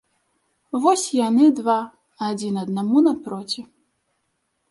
Вось яны два, адзін аднаму напроці.